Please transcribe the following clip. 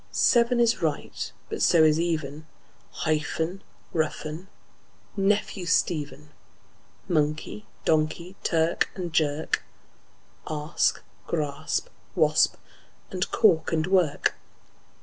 Seven is right, but so is even; Hyphen, roughen, nephew, Stephen; Monkey, donkey; clerk and jerk; Asp, grasp, wasp; and cork and work.